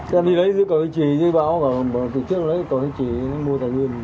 chắc đi lấy giữ cầu hình trì giữ bão bỏ từ trước lấy cầu hình trì mua tài nguyên